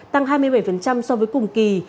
tăng hai mươi bảy so với cùng kỳ